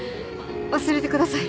忘れてください。